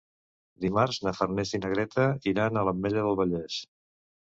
Dimarts na Farners i na Greta iran a l'Ametlla del Vallès.